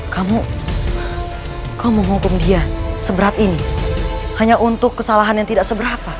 kamu kau menghukum dia seberat ini hanya untuk kesalahan yang tidak seberapa